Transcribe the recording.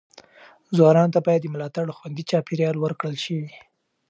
ځوانانو ته باید د ملاتړ خوندي چاپیریال ورکړل شي.